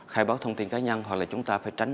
khai báo thông tin cá nhân hoặc là chúng ta phải tránh